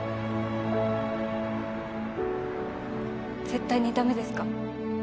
絶対に駄目ですか？